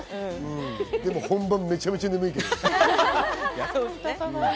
でも、本番めちゃくちゃ眠いけど。